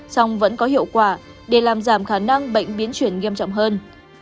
song vẫn có hiệu quả để làm giảm khả năng bệnh biến chuyển nghiêm trọng hơn